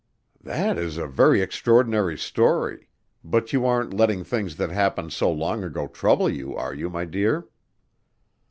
"That is a very extraordinary story, but you aren't letting things that happened so long ago trouble you, are you, my dear?"